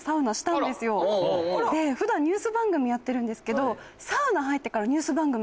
ふだんニュース番組やってるんですけど。